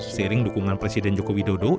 seiring dukungan presiden jawa tengah